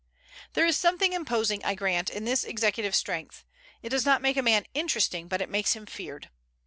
There is something imposing, I grant, in this executive strength; it does not make a man interesting, but it makes him feared.